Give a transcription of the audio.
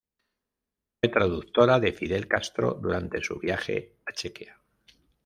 Fue traductora de Fidel Castro durante su viaje a Chequia.